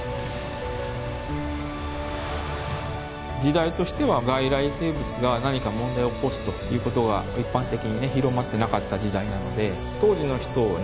時代としては外来生物が何か問題を起こすということは一般的にね広まっていなかった時代なので当時の人をね